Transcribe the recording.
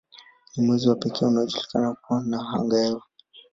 Ni mwezi wa pekee unaojulikana kuwa na angahewa.